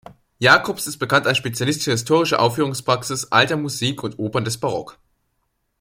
Jacobs ist bekannt als Spezialist für Historische Aufführungspraxis Alter Musik und Opern des Barock.